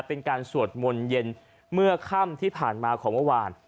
เป็นการสวดมนต์เย็นเมื่อค่ำที่ผ่านมาของเมื่อวาน